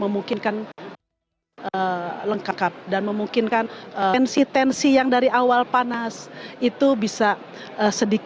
memungkinkan lengkap dan memungkinkan tensi tensi yang dari antara negara dan negara yang berada di